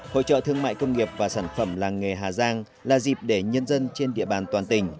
hội trợ thương mại công nghiệp và sản phẩm làng nghề hà giang là dịp để nhân dân trên địa bàn toàn tỉnh